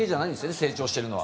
成長しているのは。